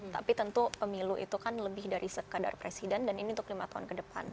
tapi tentu pemilu itu kan lebih dari sekadar presiden dan ini untuk lima tahun ke depan